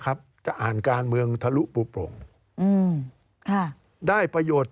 การเลือกตั้งครั้งนี้แน่